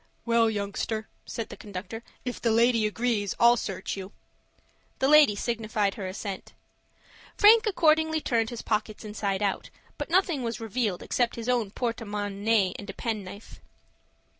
"Well, youngster," said the conductor, "if the lady agrees, I'll search you." The lady signified her assent. Frank accordingly turned his pockets inside out, but nothing was revealed except his own porte monnaie and a penknife.